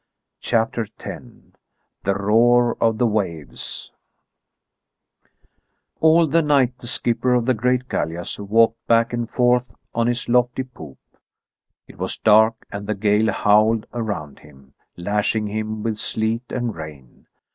CHAPTER X THE ROAR OF THE WAVES All night the skipper of the great gallias walked back and forth on his lofty poop. It was dark, and the gale howled around him, lashing him with sleet and rain.